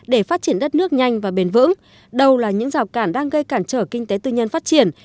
để phát triển đất nước nhanh và bền vững đâu là những rào cản đang gây cản trở kinh tế tư nhân phát triển